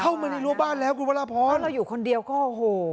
เข้ามาในรั้วบ้านแล้วคุณพระราพรเพราะเราอยู่คนเดียวก็โอ้โห